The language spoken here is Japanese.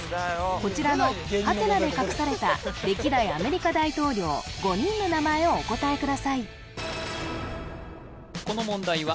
こちらの「？」で隠された歴代アメリカ大統領５人の名前をお答えください